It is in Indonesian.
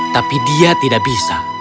tapi dia tidak bisa